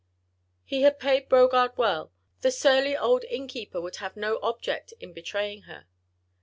He had paid Brogard well; the surly old innkeeper would have no object in betraying her.